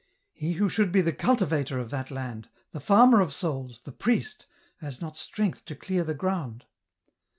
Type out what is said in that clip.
" He who should be the cultivator of that land, the farmer of souls, the priest, has not strength to clear the ground.